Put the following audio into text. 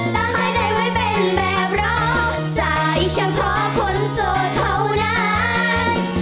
ตั้งค่าใจว่าเป็นแบบร้อยสายเฉพาะคนโสดเท่านั้น